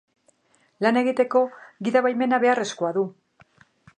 Lan egiteko gidabaimena beharrezkoa du.